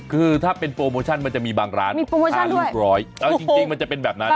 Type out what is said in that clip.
คือถ้าเป็นโปรโมชั่นมันจะมีบางร้านลูกร้อยเอาจริงมันจะเป็นแบบนั้น